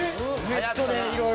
ネットでいろいろ。